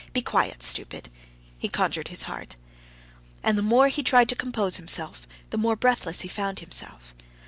Be quiet, stupid," he conjured his heart. And the more he tried to compose himself, the more breathless he found himself.